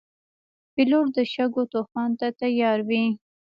پیلوټ د شګو طوفان ته تیار وي.